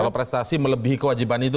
kalau prestasi melebihi kewajiban itu